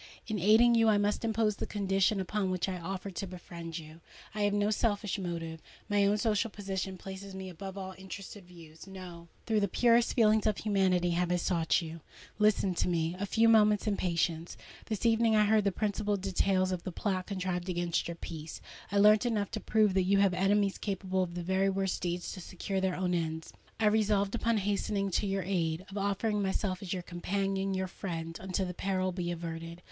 In aiding you, I must impose the conditions upon which I offer to befriend you! I have no selfish motive:—my own social position places me above all interested views. No:—through the purest feelings of humanity have I sought you. Listen to me a few moments in patience. This evening I heard the principal details of the plot contrived against your peace: I learnt enough to prove that you have enemies capable of the very worst deeds to secure their own ends. I resolved upon hastening to your aid—of offering myself as your companion, your friend, until the peril be averted.